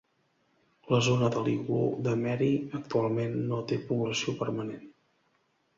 La zona de l'iglú de Mary actualment no té població permanent.